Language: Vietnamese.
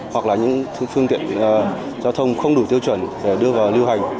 hoặc là những phương tiện giao thông không đủ tiêu chuẩn để đưa vào lưu hành